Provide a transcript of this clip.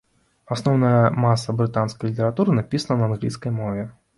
Асноўная маса брытанскай літаратуры напісана на англійскай мове.